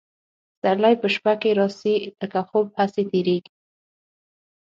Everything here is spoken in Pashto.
پسرلي په شپه کي راسي لکه خوب هسي تیریږي